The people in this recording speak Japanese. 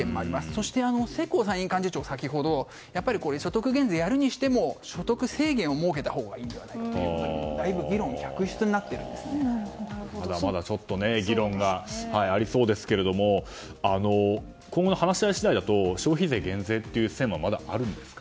そして世耕参院幹事長が先ほど所得減税をするにしても所得制限をしたほうがいいのではないかとまだまだ議論がありそうですが今後の話し合い次第だと消費税減税という線もまだあるんですか？